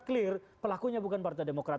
clear pelakunya bukan partai demokrat